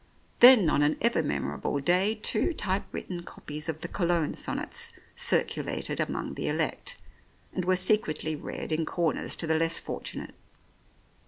Then on an ever memorable day two type written copies of the Cologne sonnets circulated among the elect, and were secretly read in corners to the less fortunate.